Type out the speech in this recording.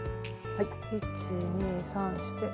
１２３して。